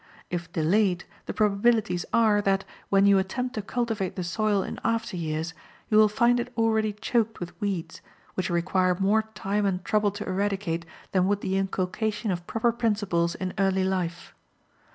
If delayed, the probabilities are that, when you attempt to cultivate the soil in after years, you will find it already choked with weeds, which require more time and trouble to eradicate than would the inculcation of proper principles in early life.